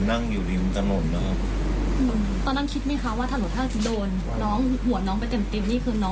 นั้นไม่ได้ตั้งใจคว่างหรือครับ